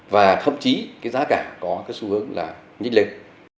và thậm chí cái giá cả có cái xu hướng là nhích lên